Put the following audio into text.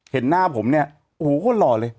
เห็นหน้าผมเนี่ยโอ้โหคนหล่อเลย